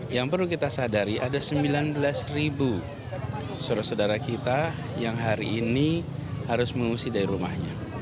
yang perlu kita sadari ada sembilan belas saudara saudara kita yang hari ini harus mengungsi dari rumahnya